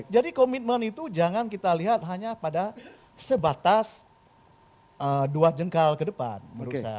jadi komitmen itu jangan kita lihat hanya pada sebatas dua jengkal ke depan menurut saya